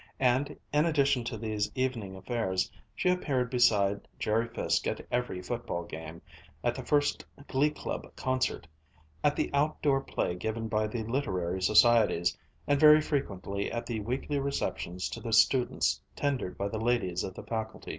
And in addition to these evening affairs, she appeared beside Jerry Fiske at every football game, at the first Glee Club Concert, at the outdoor play given by the Literary Societies, and very frequently at the weekly receptions to the students tendered by the ladies of the faculty.